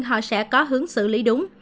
họ sẽ có hướng xử lý đúng